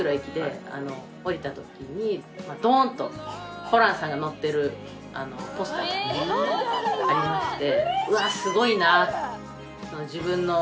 ドーンとホランさんが載ってるポスターがありまして。